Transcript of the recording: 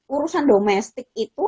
urusan domestik itu